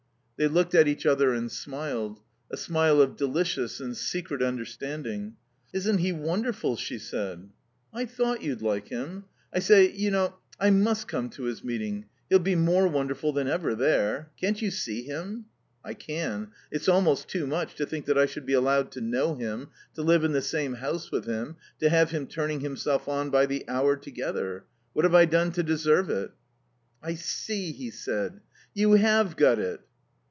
They looked at each other and smiled. A smile of delicious and secret understanding. "Isn't he wonderful?" she said. "I thought you'd like him.... I say, you know, I must come to his meeting. He'll be more wonderful than ever there. Can't you see him?" "I can. It's almost too much to think that I should be allowed to know him, to live in the same house with him, to have him turning himself on by the hour together. What have I done to deserve it?" "I see," he said, "you have got it."